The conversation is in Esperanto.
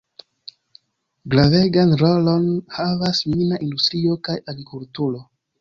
Gravegan rolon havas mina industrio kaj agrikulturo.